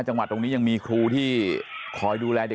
จังหวัดตรงนี้ยังมีครูที่คอยดูแลเด็ก